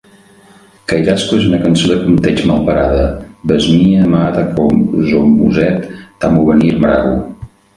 Cairasco és una cançó de compteig malparada, "besmia mat acosomuset tamobenir marago".